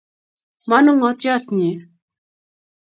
Manung'otiot nyi